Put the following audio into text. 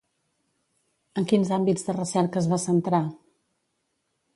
En quins àmbits de recerca es va centrar?